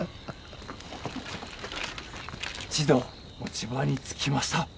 一同持ち場につきました。